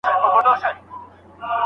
آیا ته پوهیږې چي څه غواړې.